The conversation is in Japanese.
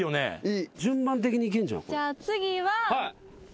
じゃあ次は。